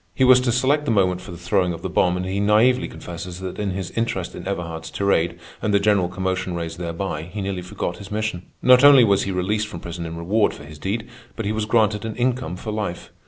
He was to select the moment for the throwing of the bomb, and he naively confesses that in his interest in Everhard's tirade and the general commotion raised thereby, he nearly forgot his mission. Not only was he released from prison in reward for his deed, but he was granted an income for life.